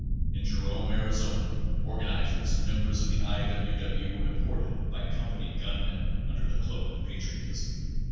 Page Thirty two At Jerome, Arizona, organizers and members of the I. W. W. were deported by company gunmen under the cloak of patriotism.